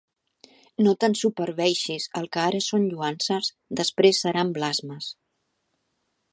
No t'ensuperbeixis: el que ara són lloances, després seran blasmes.